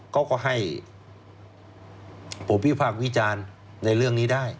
เขาก็ให้ผมวิพากษ์วิจารณ์ในเรื่องนี้ได้